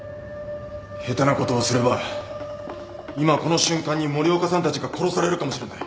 下手なことをすれば今この瞬間に森岡さんたちが殺されるかもしれない。